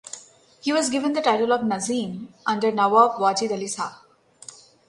He was given the title of Nasim under Nawab Wajid Ali Shah.